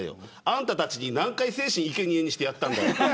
あんたたちに何回、精神をいけにえにしてやったんだ。